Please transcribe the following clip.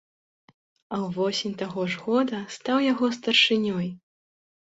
А ўвосень таго ж года стаў яго старшынёй.